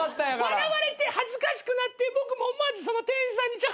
笑われて恥ずかしくなって僕も思わずその店員さんに。